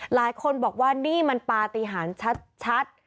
หลายคนบอกว่านี่มันปฏิหารชัด